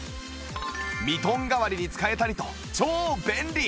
ミトン代わりに使えたりと超便利